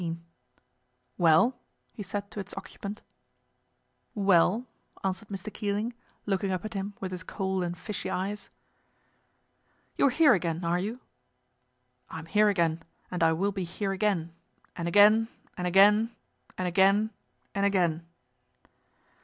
"Well?" he said to its occupant. "Well," answered Mr. Keeling, looking up at him with his cold and fishy eyes. "You're here again, are you?" "I'm here again, and I will be here again. And again and again, and again and again."